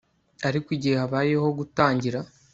ariko igihe habayeho gutangira